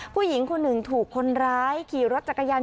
ผู้หญิงคนหนึ่งถูกคนร้ายขี่รถจักรยาน